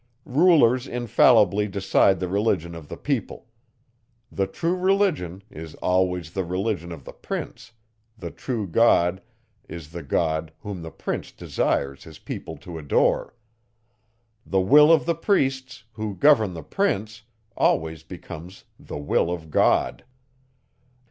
Rulers infallibly decide the religion of the people. The true religion is always the religion of the prince; the true God is the God, whom the prince desires his people to adore; the will of the priests, who govern the prince, always becomes the will of God.